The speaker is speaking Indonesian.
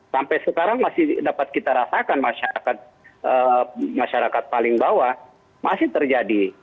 sampai sekarang masih dapat kita rasakan masyarakat paling bawah masih terjadi